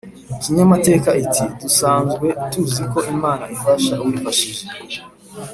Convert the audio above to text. kinyamateka iti: “dusanzwe tuzi ko imana ifasha uwifashije